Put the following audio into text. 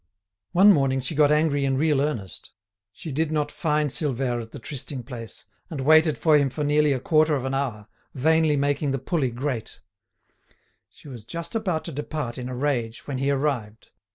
One morning she got angry in real earnest. She did not find Silvère at the trysting place, and waited for him for nearly a quarter of an hour, vainly making the pulley grate. She was just about to depart in a rage when he arrived.